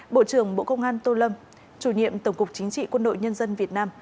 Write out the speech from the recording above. bộ trưởng bộ công an tô lâm chủ nhiệm tổng cục chính trị quân đội nhân dân việt nam